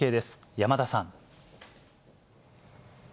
山田さん。